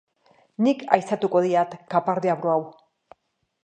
Nik haizatuko diat kapar deabru hau.